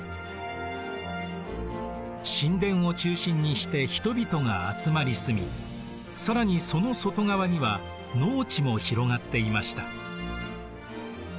神殿を中心にして人々が集まり住み更にその外側には農地も広がっていました。